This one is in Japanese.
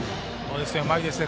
うまいですね。